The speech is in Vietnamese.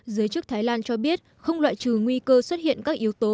giới chức thái lan cho biết không loại trừ nguy cơ xuất hiện các yếu tố